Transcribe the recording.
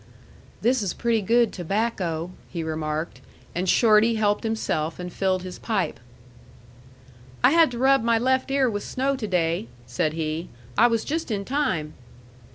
"This is pretty good tobacco," he remarked; and Shorty helped himself, and filled his pipe. "I had to rub my left ear with snow to day," said he. "I was just in time."